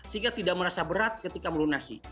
sehingga tidak merasa berat ketika melunasi